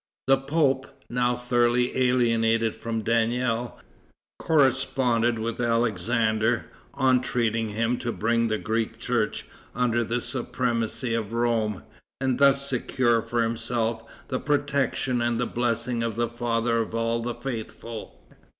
The pope, now thoroughly alienated from Daniel, corresponded with Alexander, entreating him to bring the Greek church under the supremacy of Rome, and thus secure for himself the protection and the blessing of the father of all the faithful.